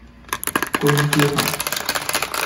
工书法。